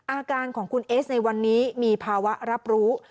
อาการของคุณเอสในวันนี้มีภาวะรับรู้